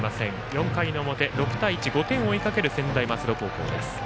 ４回の表、６対１５点を追いかける専大松戸高校です。